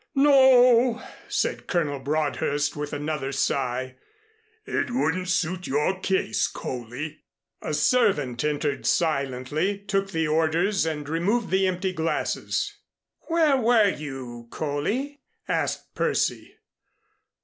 "No," said Colonel Broadhurst with another sigh, "It wouldn't suit your case, Coley." A servant entered silently, took the orders and removed the empty glasses. "Where were you, Coley?" asked Percy.